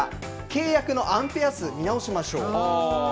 契約のアンペア数見直しましょう。